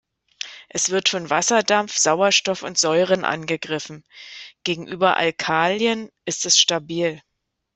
Es wird von Wasserdampf, Sauerstoff und Säuren angegriffen; gegenüber Alkalien ist es stabil.